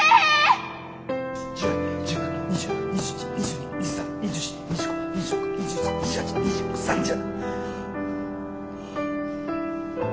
１８１９２０２１２２２３２４２５２６２７２８２９３０。